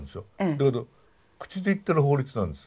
だけど口で言ってる法律なんです。